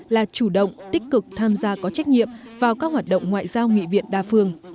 là chủ động tích cực tham gia có trách nhiệm vào các hoạt động ngoại giao nghị viện đa phương